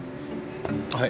はい。